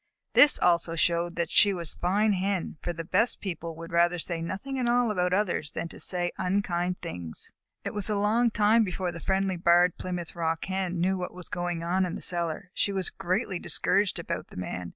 This also showed that she was a fine Hen, for the best people would rather say nothing at all about others than to say unkind things. It was a long time before the friendly Barred Plymouth Rock Hen knew what was going on in the cellar. She was greatly discouraged about the Man.